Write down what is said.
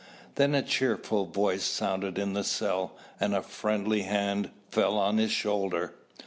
Then a cheerful voice sounded in the cell and a friendly hand fell on his shoulder.